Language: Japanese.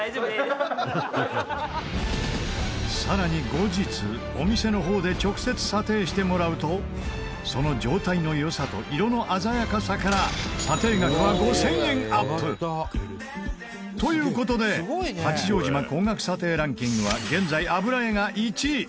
さらに後日お店の方で直接査定してもらうとその状態の良さと色の鮮やかさから査定額は５０００円アップ！という事で八丈島高額査定ランキングは現在油絵が１位。